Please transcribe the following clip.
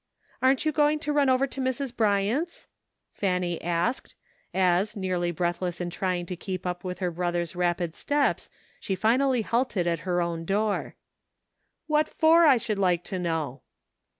"Aren't you going to run over to Mrs. Bryant's?" Fanny asked, as, nearly breathless in trying to keep up with her brother's rapid steps, she finally halted at her own door. "What for, I should like to know?"